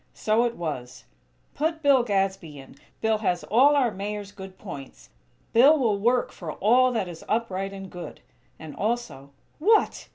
So it was: "Put Bill Gadsby in!! Bill has all our Mayor's good points! Bill will work for all that is upright and good!" And also: "_What!